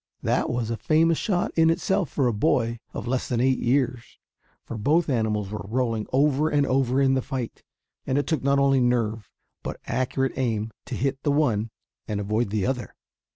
That was a famous shot in itself for a boy of less than eight years, for both animals were rolling over and over in their fight, and it took not only nerve, but accurate aim, to hit the one and avoid the other.